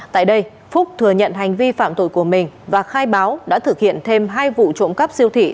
tại đây phúc thừa nhận hành vi phạm tội của mình và khai báo đã thực hiện thêm hai vụ trộm cắp siêu thị